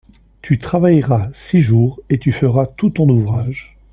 Tu travailleras six jours, et tu feras tout ton ouvrage.